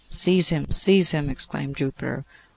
'Seize him, seize him!' exclaimed Jupiter.